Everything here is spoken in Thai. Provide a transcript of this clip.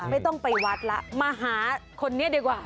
ไม่ต้องไปวัดแล้วมาหาคนนี้ดีกว่า